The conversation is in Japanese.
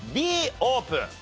Ｂオープン！